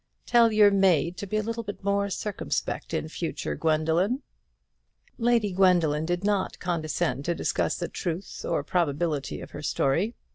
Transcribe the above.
Tell your maid to be a little more circumspect in future, Gwendoline." Lady Gwendoline did not condescend to discuss the truth or probability of her story.